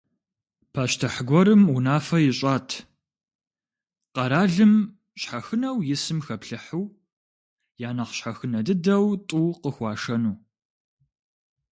Пащтыхь гуэрым унафэ ищӏат: къэралым щхьэхынэу исым хэплъыхьу я нэхъ щхьэхынэ дыдэу тӏу къыхуашэну.